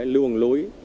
lưu hồng lối